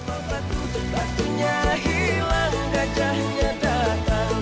agung tutup pintunya